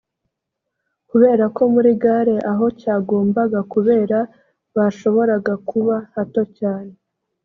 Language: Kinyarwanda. kubera ko muri Gare aho cyagombaga kubera bashoboraga kuba hato cyane